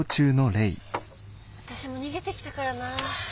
私も逃げてきたからな。